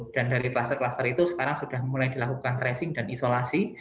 dan dari klaster klaster itu sekarang sudah mulai dilakukan tracing dan isolasi